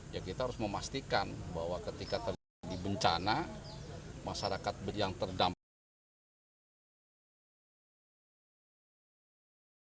ya kita harus memastikan bahwa ketika terjadi bencana masyarakat yang terdampak